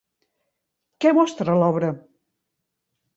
Què mostra l'obra?